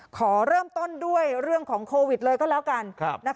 ขอเริ่มต้นด้วยเรื่องของโควิดเลยก็แล้วกัน